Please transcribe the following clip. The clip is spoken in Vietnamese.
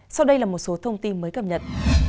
sau đây là một số thông tin mới cập nhật